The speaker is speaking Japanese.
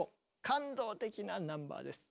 感動的なナンバーです。